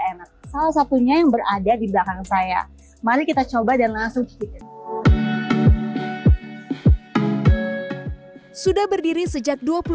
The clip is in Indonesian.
enak salah satunya yang berada di belakang saya mari kita coba dan langsung sudah berdiri sejak